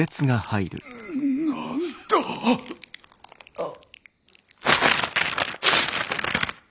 あっ。